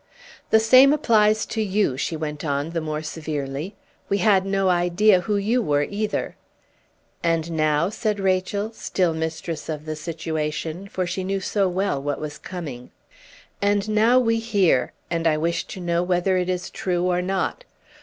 "The same applies to you," she went on the more severely. "We had no idea who you were, either!" "And now?" said Rachel, still mistress of the situation, for she knew so well what was coming. "And now we hear, and I wish to know whether it is true or not.